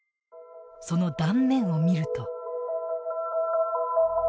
その断面を見ると。